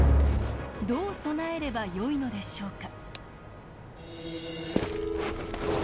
どう備えればよいのでしょうか。